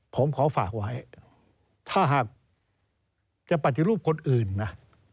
ผมขอฝากไว้ถ้าหากจะปฏิรูปคนอื่นนะ